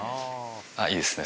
ああいいですね